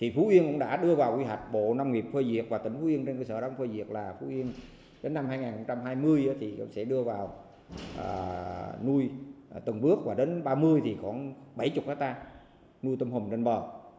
phú yên cũng đã đưa vào quy hoạch bộ nông nghiệp phơi diệt và tỉnh phú yên trên cơ sở nông nghiệp phơi diệt là phú yên đến năm hai nghìn hai mươi thì cũng sẽ đưa vào nuôi tầm bước và đến ba mươi thì còn bảy mươi hectare nuôi tôm hùm trên bờ